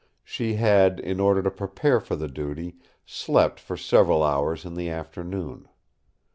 She had, in order to prepare for the duty, slept for several hours in the afternoon.